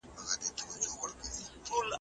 ټېکنالوژي د تشخیص وخت لنډوي.